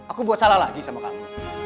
aku buat salah lagi sama kamu